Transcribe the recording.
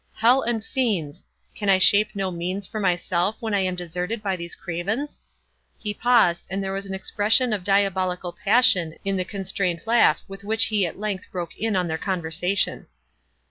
—Hell and fiends! can I shape no means for myself when I am deserted by these cravens?"—He paused, and there was an expression of diabolical passion in the constrained laugh with which he at length broke in on their conversation.